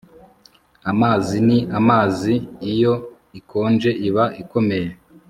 Amazi ni amazi Iyo ikonje iba ikomeye